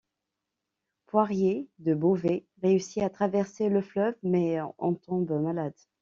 Poirier de Beauvais réussit à traverser le fleuve, mais en tombe malade.